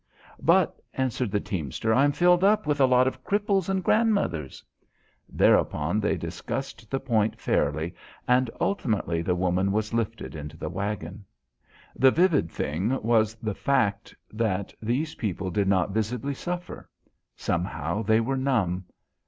"But," answered the teamster, "I'm filled up with a lot of cripples and grandmothers." Thereupon they discussed the point fairly, and ultimately the woman was lifted into the waggon. The vivid thing was the fact that these people did not visibly suffer. Somehow they were numb.